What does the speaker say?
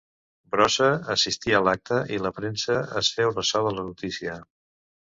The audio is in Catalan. Brossa assistí a l'acte i la premsa es féu ressò de la notícia.